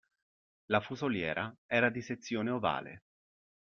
La fusoliera era di sezione ovale.